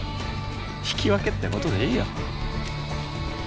引き分けってことでいいよ。